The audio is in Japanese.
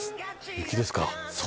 雪ですか。